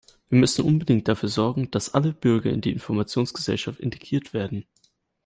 Wir müssen unbedingt dafür sorgen, dass alle Bürger in die Informationsgesellschaft integriert werden.